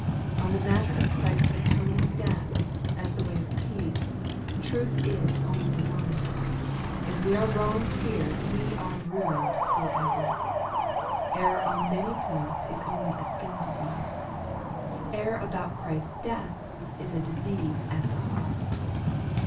On the matter of Christ's atoning^death^ as the way of peace, truth is only one. If we are wrong here, we are ruined for ever. Error on many points is only a skin disease. Error about Christ's death is a disease at the heart.